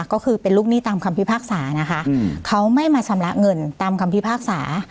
ก็คือเป็นลูกหนี้ตามคำพิพากษานะคะเขาไม่มาชำระเงินตามคำพิพากษา